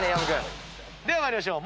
では参りましょう。